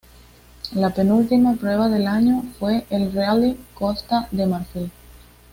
La penúltima prueba del año fue el Rally Costa de Marfil.